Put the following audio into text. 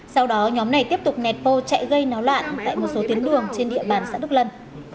sau đó nhóm này tiếp tục nẹt bô chạy gây náo loạn tại một số tuyến đường trên địa bàn xã đức lân